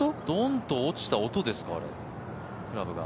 どんと、落ちた音ですか？